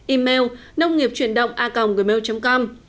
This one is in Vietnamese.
email nông nghiệp chuyển động a gmail com